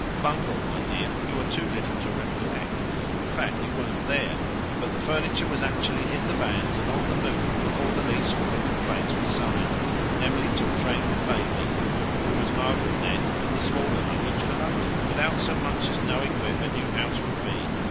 "Bungle, my dear! You are too little to recollect in fact, you weren't there. But the furniture was actually in the vans and on the move before the lease for Wickham Place was signed, and Emily took train with baby who was Margaret then and the smaller luggage for London, without so much as knowing where her new home would be.